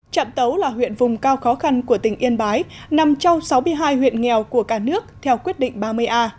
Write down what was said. trạm tấu là huyện vùng cao khó khăn của tỉnh yên bái nằm trong sáu mươi hai huyện nghèo của cả nước theo quyết định ba mươi a